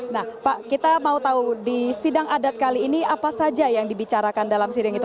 nah pak kita mau tahu di sidang adat kali ini apa saja yang dibicarakan dalam sidang itu